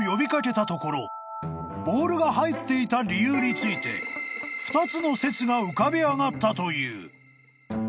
［ボールが入っていた理由について２つの説が浮かび上がったという］